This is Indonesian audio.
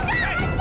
aduh teteh ampun